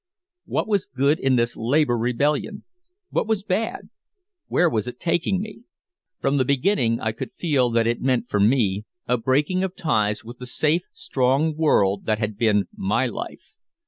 What was good in this labor rebellion? What was bad? Where was it taking me? From the beginning I could feel that it meant for me a breaking of ties with the safe strong world that had been my life.